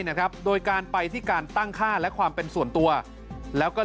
นะครับโดยการไปที่การตั้งค่าและความเป็นส่วนตัวแล้วก็